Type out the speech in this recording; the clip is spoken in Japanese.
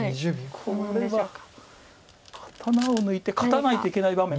これは刀を抜いて勝たないといけない場面。